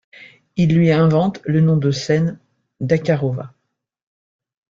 Il lui invente le nom de scène d'Akarova.